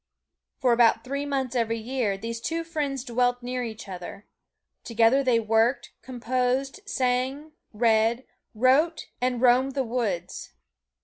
For about three months every year these two friends dwelt near each other. Together they worked, composed, sang, read, wrote and roamed the woods.